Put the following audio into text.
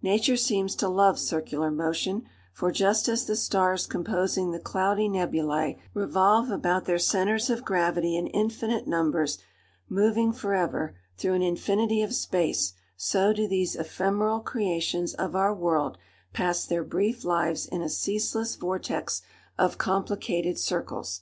Nature seems to love circular motion: for just as the stars composing the cloudy nebulæ revolve about their centres of gravity in infinite numbers, moving forever, through an infinity of space; so do these ephemeral creations of our world pass their brief lives in a ceaseless vortex of complicated circles.